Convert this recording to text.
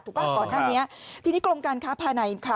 ถูกปะก่อนท่านเนี้ยทีนี้กรมการค้าภายใน